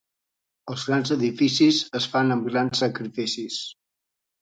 Els grans edificis es fan amb grans sacrificis.